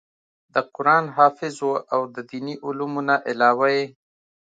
د قران حافظ وو او د ديني علومو نه علاوه ئې